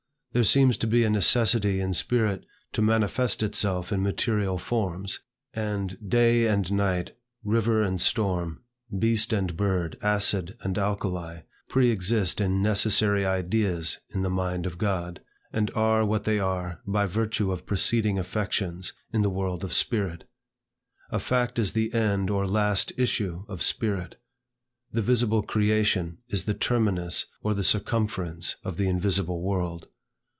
There seems to be a necessity in spirit to manifest itself in material forms; and day and night, river and storm, beast and bird, acid and alkali, preexist in necessary Ideas in the mind of God, and are what they are by virtue of preceding affections, in the world of spirit. A Fact is the end or last issue of spirit. The visible creation is the terminus or the circumference of the invisible world.